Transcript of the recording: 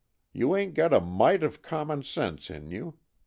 You ain't got a mite of common sense in you.